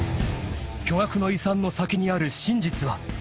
［巨額の遺産の先にある真実は？］